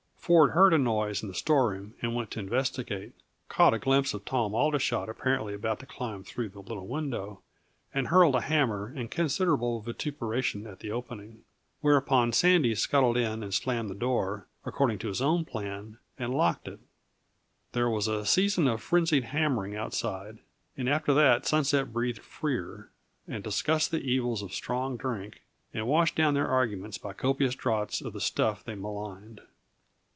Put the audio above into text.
Ford heard a noise in the storeroom and went to investigate, caught a glimpse of Tom Aldershot apparently about to climb through the little window, and hurled a hammer and considerable vituperation at the opening. Whereupon Sandy scuttled in and slammed the door, according to his own plan, and locked it. There was a season of frenzied hammering outside, and after that Sunset breathed freer, and discussed the evils of strong drink, and washed down their arguments by copious draughts of the stuff they maligned.